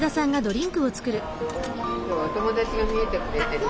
今日はお友達が見えてくれてるの。